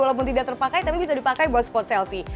walaupun tidak terpakai tapi bisa dipakai buat spot selfie